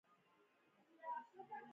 زما ملګري لیوني شول او چاغ شول.